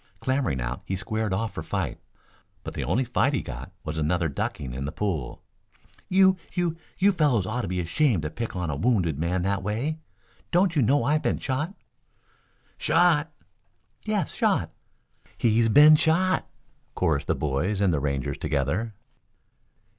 Clambering out he squared off for fight, but the only fight he got was another ducking in the pool. "You you you fellows ought to be ashamed to pick on a wounded man that way. Don't you know I've been shot?" "Shot?" "Yes, shot." "He's been shot," chorused the boys and the Rangers together.